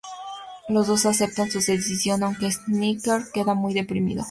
Los dos aceptan su decisión, aunque Skinner queda muy deprimido.